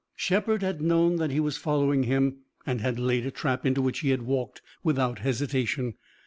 Shepard had known that he was following him and had laid a trap, into which he had walked without hesitation.